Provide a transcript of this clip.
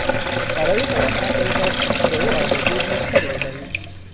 برای بیان عقایدش به او آزادی بیشتری بدهید.